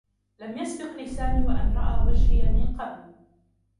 لم يسبق لسامي و أن رأى وجهي من قبل.